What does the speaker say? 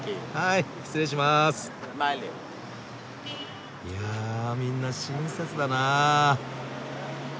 いやみんな親切だなあ。